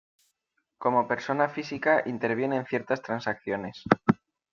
Como persona física interviene en ciertas transacciones.